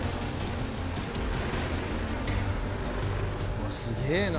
うわあすげえな。